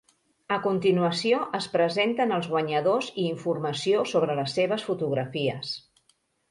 A continuació es presenten els guanyadors i informació sobre les seves fotografies.